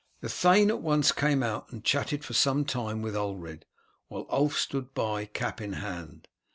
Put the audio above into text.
The thane at once came out and chatted for some time with Ulred, while Ulf stood by, cap in hand.